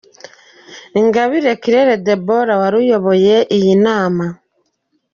Ingabire Claire Deborah wari uyoboye iyi nama.